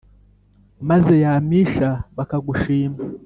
Maze yamisha bakagushima